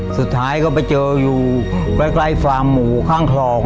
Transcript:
สุดท้ายก็ไปเจออยู่ใกล้ฟาร์มหมูข้างคลอง